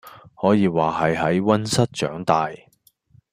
可以話係喺溫室長大⠀